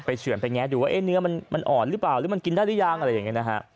เฉื่อนไปแงะดูว่าเนื้อมันอ่อนหรือเปล่าหรือมันกินได้หรือยังอะไรอย่างนี้นะฮะ